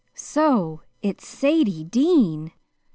"So it's Sadie Dean.